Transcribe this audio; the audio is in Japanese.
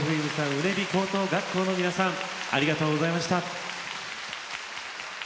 畝傍高等学校の皆さんありがとうございました。